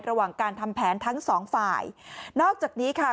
ระหว่างการทำแผนทั้งสองฝ่ายนอกจากนี้ค่ะ